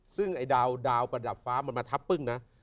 ซึ่งไอ้ดาวประดับฟ้ามันมาทับปึ้งนะ